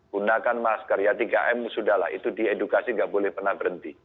gunakan masker ya tiga m sudah lah itu diedukasi nggak boleh pernah berhenti